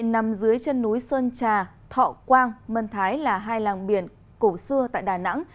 nằm dưới chân núi sơn trà thọ quang mân thái là hai làng biển cổ xưa tại đà nẵng